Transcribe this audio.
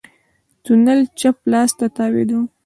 تونل چپ لاس ته تاوېده.